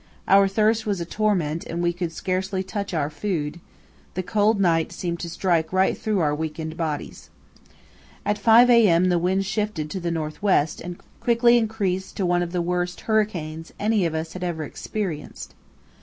Our thirst was a torment and we could scarcely touch our food; the cold seemed to strike right through our weakened bodies. At 5 a.m. the wind shifted to the north west and quickly increased to one of the worst hurricanes any of us had ever experienced.